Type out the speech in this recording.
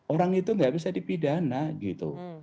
orang itu nggak bisa dipidana gitu